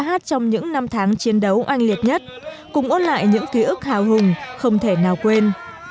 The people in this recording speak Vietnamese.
hát trong những năm tháng chiến đấu oanh liệt nhất cùng ôn lại những ký ức hào hùng không thể nào quên